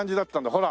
ほら。